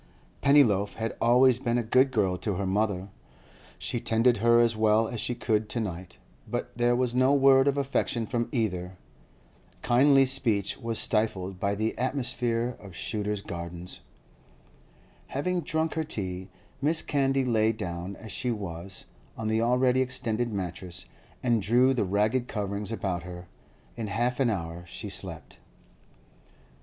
Pennyloaf had always been a good girl to her mother; she tended her as well as she could to night; but there was no word of affection from either. Kindly speech was stifled by the atmosphere of Shooter's Gardens. Having drunk her tea, Mrs. Candy lay down, as she was, on the already extended mattress, and drew the ragged coverings about her. In half an hour she slept.